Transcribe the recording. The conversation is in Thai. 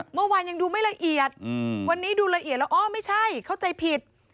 เมื่อวานยังดูไม่ละเอียดวันนี้ดูละเอียดแล้วอ้อไม่ใช่เข้าใจผิด